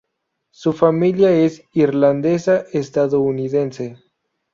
Su familia es irlandesa-estadounidense.